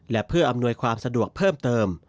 และเพื่ออำนวยความสะดวกเพิ่มเติม